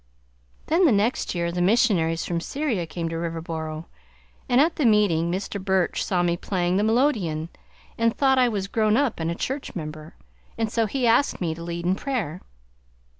Then the next year the missionaries from Syria came to Riverboro; and at the meeting Mr. Burch saw me playing the melodeon, and thought I was grown up and a church member, and so he asked me to lead in prayer.